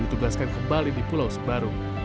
ditugaskan kembali di pulau sebaru